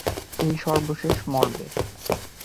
এই সর্বশেষ মরবে।